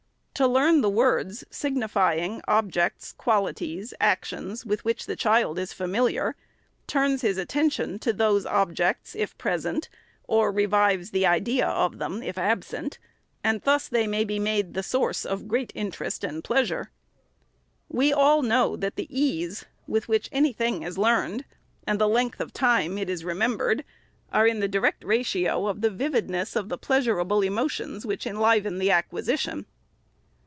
To learn the words signifying objects, qualities, actions, with which the child is familiar, turns his attention to those objects, if present, or revives the idea of them, if absent, and thus they may be made the source^ of great interest and pleas ure. We all know, that the ease with which any thing is learned, and the length of time it is remembered, are in the direct ratio of the vividness of the pleasurable emo tions which enliven the acquisition.